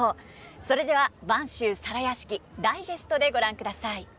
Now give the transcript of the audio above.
それでは「播州皿屋敷」ダイジェストでご覧ください。